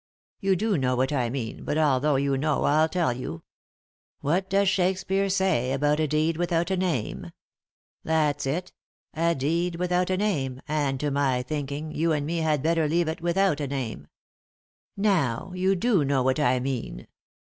You do know what I mean, but although you know I'll tell you. What does Shakespeare say ' about a deed without a name '? That's it, a deed without a name, and, to my thinking, you and me had better leave it .without a name. Now, you do know what I mean."